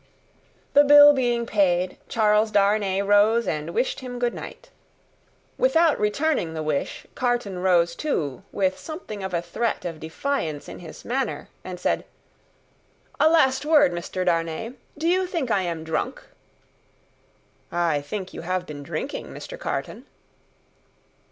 The bill being paid, Charles Darnay rose and wished him good night. Without returning the wish, Carton rose too, with something of a threat of defiance in his manner, and said, "A last word, Mr. Darnay: you think I am drunk?" "I think you have been drinking, Mr. Carton."